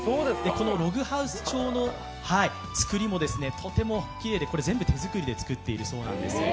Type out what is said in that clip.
このログハウス調のつくりもとてもきれいで全部手作りで作っているそうなんです。